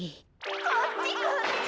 「こっちこっち」。